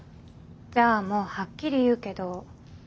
じゃあもうはっきり言うけど。